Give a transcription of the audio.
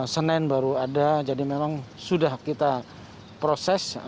senin baru ada jadi memang sudah kita proses